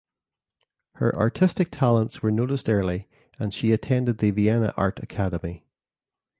Her artistic talents were noticed early and she attended the Vienna Art Academy.